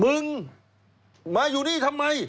มึงมาอยู่นี่ทำไม